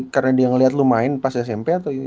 karena dia ngeliat lu main pas smp atau